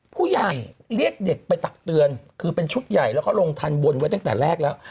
ผู้ใหญ่เรียกเด็กไปตักเตือนคือเป็นชุดใหญ่แล้วก็ลงทันบนไว้ตั้งแต่แรกแล้ว